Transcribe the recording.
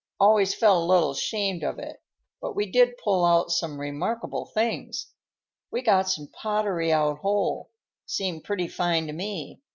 Always felt a little ashamed of it, but we did pull out some remarkable things. We got some pottery out whole; seemed pretty fine to me.